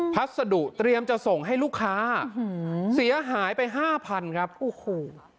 พัสดุเตรียมจะส่งให้ลูกค้าอืมเสียหายไปห้าพันครับโอ้โห